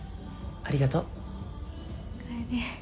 ありがとう。